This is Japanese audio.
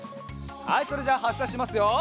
はいそれじゃあはっしゃしますよ。